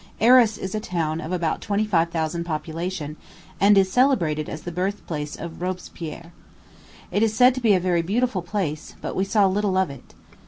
Arras is a town of about twenty five thousand population, and is celebrated as the birthplace of Robespierre. It is said to be a very beautiful place, but we saw little of it.